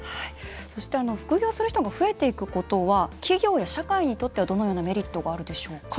そして、副業する人が増えていくことは企業や社会にとってはどのようなメリットがあるでしょうか。